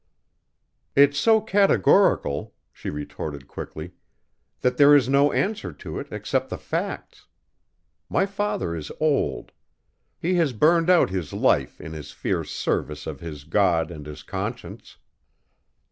"It's so categorical," she retorted quickly, "that there is no answer to it except the facts. My father is old. He has burned out his life in his fierce service of his God and his conscience.